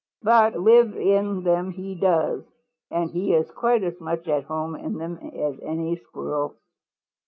But live in them he does, and he is quite as much at home in them as any Squirrel."